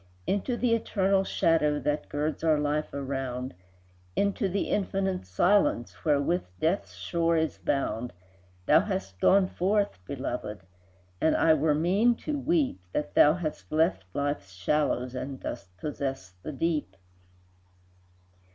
Into the eternal shadow That girds our life around, Into the infinite silence Wherewith Death's shore is bound, Thou hast gone forth, belovèd! And I were mean to weep, That thou hast left Life's shallows, And dost possess the Deep.